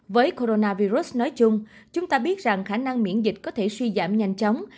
với coronavirus nói chung chúng ta biết rằng khả năng miễn dịch có thể suy giảm nhanh chóng